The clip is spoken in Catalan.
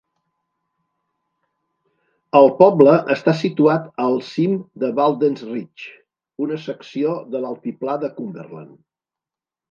El poble està situat al cim de Walden's Ridge, una secció de l'altiplà de Cumberland.